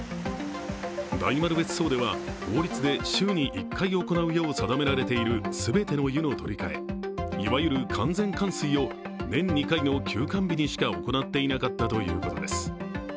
大丸別荘では法律で週に１回行うよう定められているすべての湯の取り換え、いわゆる完全換水を年２回の休館日にしか行っていなかったということです。